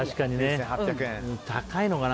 高いのかな？